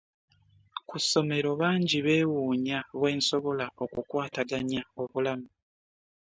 Ku ssomero bangi beewuunnya bwe nsobola okukwataganya obulamu.